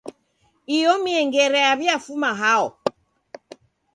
Iyo miengere yaw'iafuma hao?